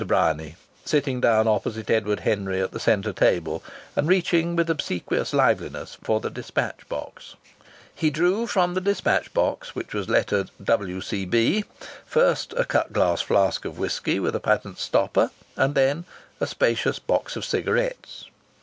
Bryany, sitting down opposite Edward Henry at the centre table, and reaching with obsequious liveliness for the dispatch box. He drew from the dispatch box, which was lettered "W.C.B.," first a cut glass flask of whisky with a patent stopper, and then a spacious box of cigarettes.